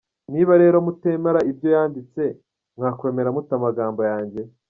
Niba rero mutemera ibyo yanditse, mwakwemera mute amagambo yanjye?».